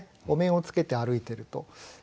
お面をつけて歩いていると。